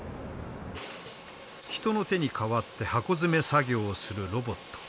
人の手に代わって箱詰め作業をするロボット。